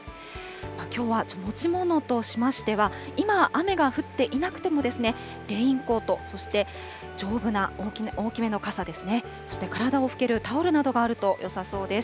きょうは持ち物としましては、今雨が降っていなくても、レインコート、そして、丈夫な大きめの傘ですね、そして体を拭けるタオルなどがあるとよさそうです。